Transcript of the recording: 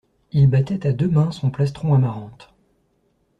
Il battait à deux mains son plastron amarante.